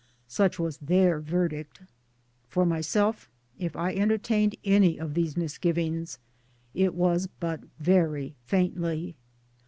Such was their verdict. For myself if I entertained any of these misgivings it was but very faintly.